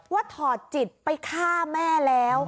ถอดจิตไปฆ่าแม่แล้ว